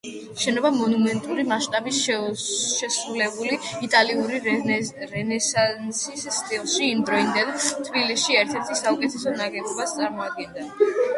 შენობა მონუმენტური მასშტაბის, შესრულებული იტალიური რენესანსის სტილში, იმ დროინდელ თბილისში ერთ-ერთი საუკეთესო ნაგებობას წარმოადგენდა.